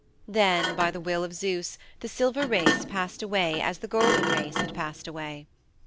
Then, by the will of Zeus, the Silver Race passed away as the Golden Race had passed away.